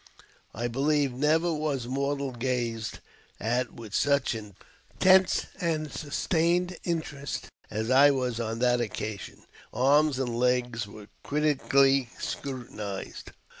I believe never was mortal gazed at with such intense and sustained interest as I was on that occasion. Arms and legs were critically scrutinized.